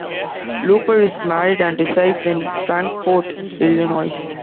Looper is married and resides in Frankfort, Illinois.